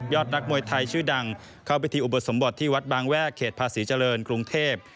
นักมวยไทยชื่อดังเข้าพิธีอุปสมบทที่วัดบางแว่เขตภาษีเจริญกรุงเทพ